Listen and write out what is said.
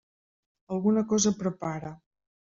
Alguna cosa prepara.